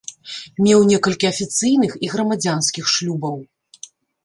Меў некалькі афіцыйных і грамадзянскіх шлюбаў.